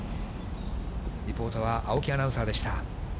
リポートは青木アナウンサーでした。